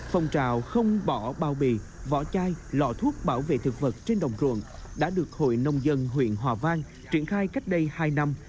phong trào không bỏ bao bì vỏ chai lọ thuốc bảo vệ thực vật trên đồng ruộng đã được hội nông dân huyện hòa vang triển khai cách đây hai năm